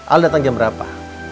al datang jam berapa